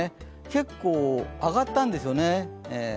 結構、上がったんですよね。